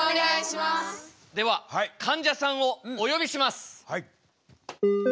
ではかんじゃさんをおよびします。